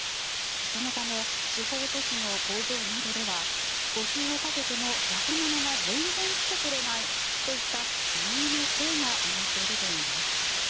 そのため地方都市の工場などでは募集をかけても若者が全然来てくれないといった悲鳴の声が上がっているといいます。